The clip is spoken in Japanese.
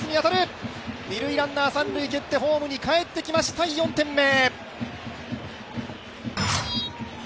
二塁ランナー、三塁蹴ってホームに帰ってきました、４点目。